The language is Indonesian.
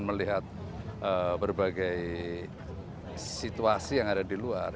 melihat berbagai situasi yang ada di luar